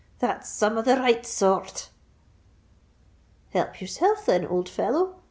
that's some of the right sor rt!" "Help yourself then, old fellow!"